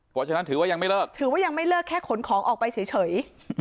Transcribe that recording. เพราะฉะนั้นถือว่ายังไม่เลิกถือว่ายังไม่เลิกแค่ขนของออกไปเฉย